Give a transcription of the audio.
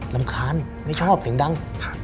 รำคาญไม่ชอบเสียงดัง